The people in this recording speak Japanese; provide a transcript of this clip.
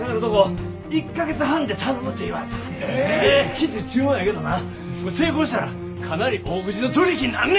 きつい注文やけどな成功したらかなり大口の取り引きになんねん。